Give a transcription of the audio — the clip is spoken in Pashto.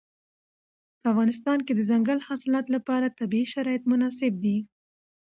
په افغانستان کې د دځنګل حاصلات لپاره طبیعي شرایط مناسب دي.